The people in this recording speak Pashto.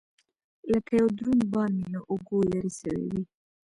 لكه يو دروند بار مې له اوږو لرې سوى وي.